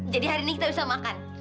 jadi hari ini kita bisa makan